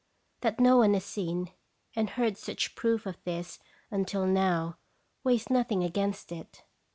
That no one has seen and heard such proof of this until now weighs nothing against it.